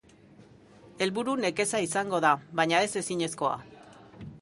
Helburu nekeza izango da, baina ez ezinezkoa.